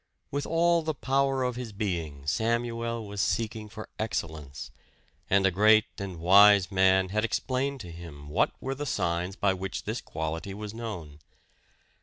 With all the power of his being Samuel was seeking for excellence; and a great and wise man had explained to him what were the signs by which this quality was known.